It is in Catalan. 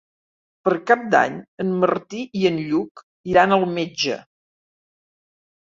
Per Cap d'Any en Martí i en Lluc iran al metge.